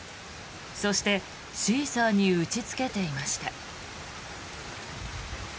そしてシーサーに打ちつけていました。